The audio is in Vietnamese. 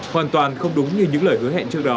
hoàn toàn không đúng như những lời hứa hẹn trước đó